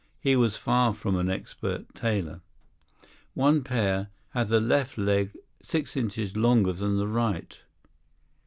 He was far from an expert tailor. One pair had the left leg six inches longer than the right.